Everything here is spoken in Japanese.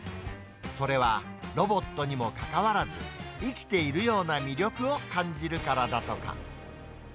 それは、ロボットにもかかわらず、生きているような魅力を感じるからだとか。